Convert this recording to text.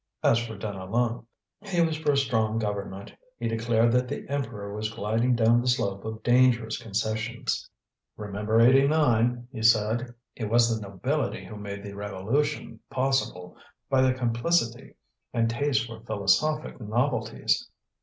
As for Deneulin, he was for a strong Government; he declared that the Emperor was gliding down the slope of dangerous concessions. "Remember '89," he said. "It was the nobility who made the Revolution possible, by their complicity and taste for philosophic novelties.